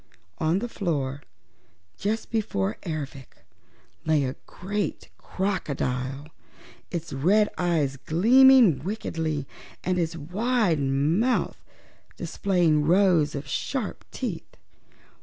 On the floor just before Ervic lay a great crocodile, its red eyes gleaming wickedly and its wide open mouth displaying rows of sharp teeth.